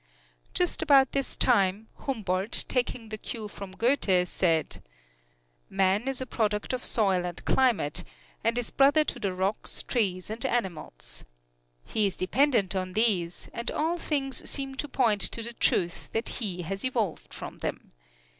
Just about this time, Humboldt, taking the cue from Goethe, said: "Man is a product of soil and climate, and is brother to the rocks, trees and animals. He is dependent on these, and all things seem to point to the truth that he has evolved from them.